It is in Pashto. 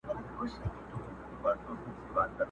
یا به مري یا به یې بل څوک وي وژلی٫